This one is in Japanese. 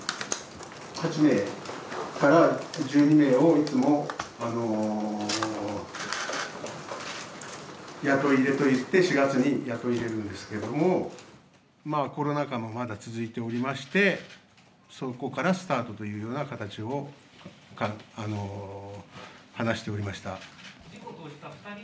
８名から１２名をいつも雇い入れといって、４月に雇い入れるんですけれども、コロナ禍がまだ続いておりまして、そこからスタートというような形を話しておりました。